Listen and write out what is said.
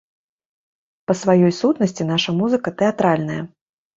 Па сваёй сутнасці наша музыка тэатральная.